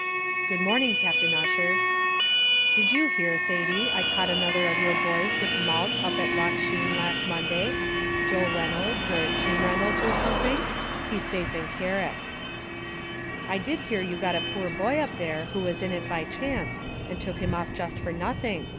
"Good morning, Captain Ussher." "Did you hear, Thady, I caught another of your boys with malt up at Loch Sheen last Monday, Joe Reynolds, or Tim Reynolds, or something? He's safe in Carrick." "I did hear you got a poor boy up there, who was in it by chance, and took him off just for nothing.